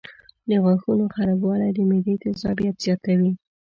د غاښونو خرابوالی د معدې تیزابیت زیاتوي.